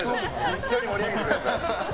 一緒に盛り上げてください。